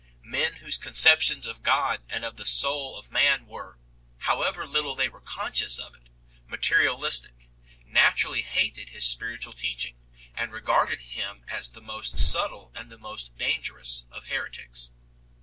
Men whose con ceptions of God and of the soul of man were however little they were conscious of it materialistic, naturally hated his spiritual teaching, and regarded him as the most subtle and the most dangerous of heretics.